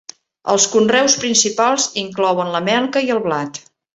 Els conreus principals inclouen la melca i el blat.